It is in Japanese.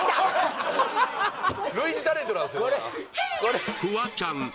類似タレントなんですよ